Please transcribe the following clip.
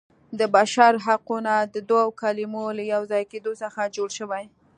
د بشر حقونه د دوو کلمو له یو ځای کیدو څخه جوړ شوي.